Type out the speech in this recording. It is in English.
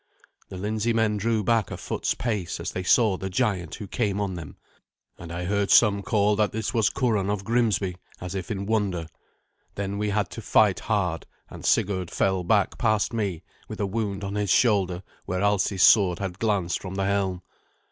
The Lindseymen drew back a foot's pace as they saw the giant who came on them, and I heard some call that this was Curan of Grimsby, as if in wonder. Then we had to fight hard, and Sigurd fell back past me, with a wound on his shoulder where Alsi's sword had glanced from the helm.